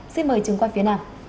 xin mời trường quay phía nam